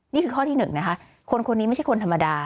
นี่คือข้อที่๑นะคะคนคนนี้ไม่ใช่คนธรรมดา